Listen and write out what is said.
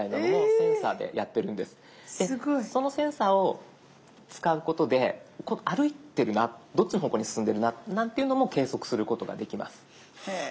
そのセンサーを使うことで歩いてるなどっちの方向に進んでるななんていうのも計測することができます。